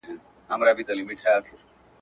هر طبیب یې په علاج پوري حیران سو.